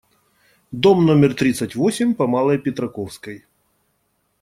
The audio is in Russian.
Дом номер тридцать восемь по Малой Петраковской.